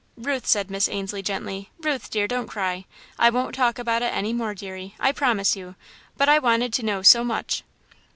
"Ruth," said Miss Ainslie, gently; "Ruth, dear, don't cry! I won't talk about it any more, deary, I promise you, but I wanted to know so much!"